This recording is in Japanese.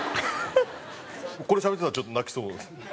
これしゃべってたらちょっと泣きそう。